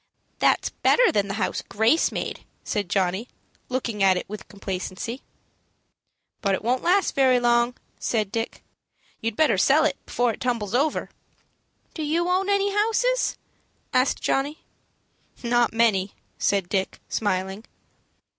"That's better than the house Grace made," said Johnny, looking at it with complacency. "But it won't last very long," said Dick. "You'd better sell it before it tumbles over." "Do you own any houses?" asked Johnny. "Not many," said Dick, smiling.